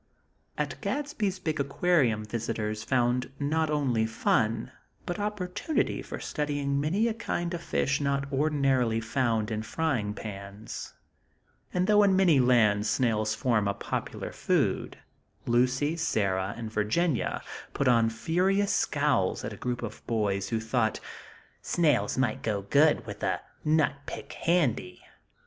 At Gadsby's big aquarium visitors found not only fun, but opportunity for studying many a kind of fish not ordinarily found in frying pans; and, though in many lands, snails form a popular food, Lucy, Sarah and Virginia put on furious scowls at a group of boys who thought "Snails might go good, with a nut pick handy."